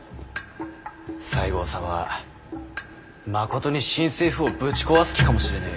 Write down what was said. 西郷様はまことに新政府をぶち壊す気かもしれねぇ。